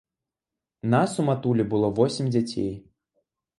Нас у матулі было восем дзяцей.